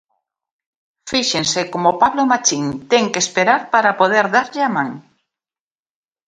Fíxense como Pablo Machín ten que esperar para poder darlle a man.